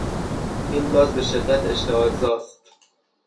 این گاز به شدت اشتعالزاست